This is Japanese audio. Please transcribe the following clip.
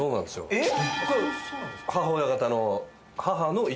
えっ！